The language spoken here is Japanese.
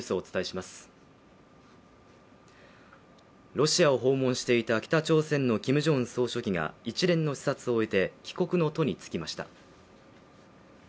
ロシアを訪問していた北朝鮮のキム・ジョンウン総書記が一連の視察を終えて帰国の途につきました。